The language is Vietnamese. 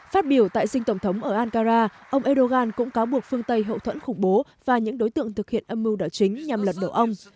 phát biểu tại sinh tổng thống ở ankara ông erdogan cũng cáo buộc phương tây hậu thuẫn khủng bố và những đối tượng thực hiện âm mưu đảo chính nhằm lật đổ ông